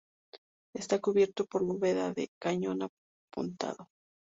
Está cubierto por bóveda de cañón apuntado.